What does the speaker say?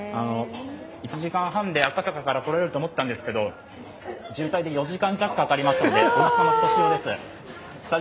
１時間半で赤坂から来れると思ったんですけど渋滞で４時間弱かかりましたのでおいしさも、ひとしおです。